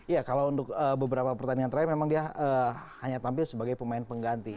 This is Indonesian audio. ya kalau untuk beberapa pertandingan terakhir memang dia hanya tampil sebagai pemain pengganti